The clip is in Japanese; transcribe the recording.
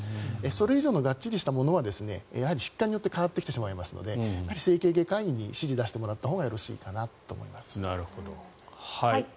それ以上のがっちりしたものは疾患によって変わってきてしまいますので整形外科医に指示を出してもらったほうがよろしいかと思います。